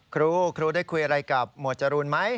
ครูครูได้คุยอะไรกับหมวดจรูนไหม